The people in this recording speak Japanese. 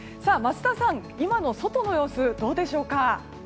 桝田さん、今の外の様子どうでしょうか？